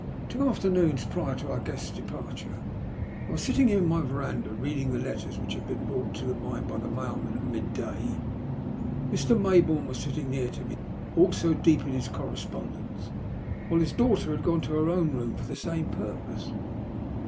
Two afternoons prior to our guests' departure I was sitting in my verandah reading the letters which had been brought to the mine by the mailman at midday. Mr. Maybourne was sitting near me, also deep in his correspondence, while his daughter had gone to her own room for the same purpose.